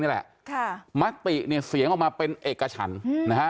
นี่แหละค่ะมติเนี่ยเสียงออกมาเป็นเอกฉันนะฮะ